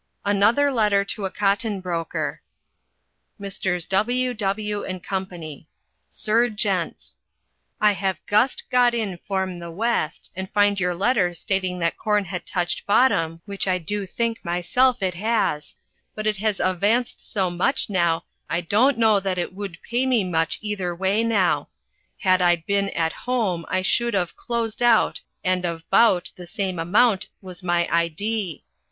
Another letter to a cotton broker: "Messrs. W W & Co. "Sir Gents "I have gust got in form the West and find your letter stating that corn had touched bottom which I do think myself it has, but it has avanced so much now I don't noe that it wood pay me much either way now. had I bin at home I shood of closed out and of Bout the same amount was my Idee.